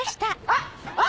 あっ！